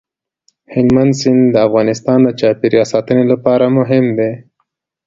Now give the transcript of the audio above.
هلمند سیند د افغانستان د چاپیریال ساتنې لپاره مهم دي.